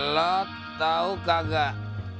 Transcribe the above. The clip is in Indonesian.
lo tau kagak